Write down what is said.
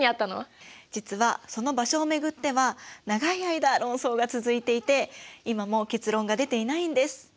実はその場所を巡っては長い間論争が続いていて今も結論が出ていないんです。